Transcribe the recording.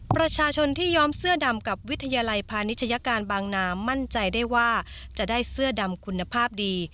ประชาชนที่ย้อมเสื้อดำกับวิทยาลัยพาณิชยการบางนามั่นใจได้ว่าจะได้เสื้อดำคุณภาพดี